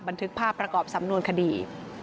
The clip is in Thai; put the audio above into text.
บันทึกภาพประกอบสำนวนคดี